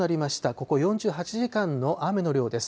ここ４８時間の雨の量です。